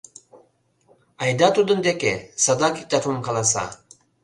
— Айда тудын деке, садак иктаж-мом каласа.